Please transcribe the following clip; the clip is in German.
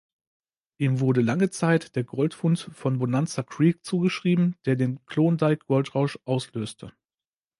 Ihm wurde lange Zeit der Goldfund am Bonanza Creek zugeschrieben, der den Klondike-Goldrausch auslöste.